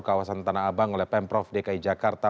kawasan tanah abang oleh pemprov dki jakarta